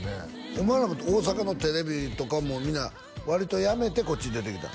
お前ら大阪のテレビとかも皆割とやめてこっち出てきたん？